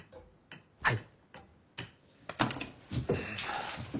はい。